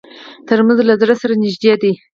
ترموز له زړه سره نږدې دی.